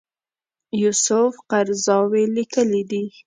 یوسف قرضاوي لیکلي دي.